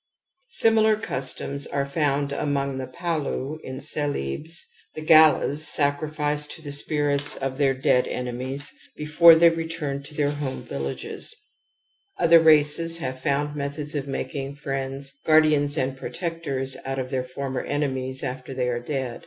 v Similar customs are found among the Palu in Celebes ; the Gallas sacrifice to the spirits of their dead enemies before they return to their home villages ^•^ Other races have found methods of. making friends, guardians and protectors out of their former enemies after they are dead.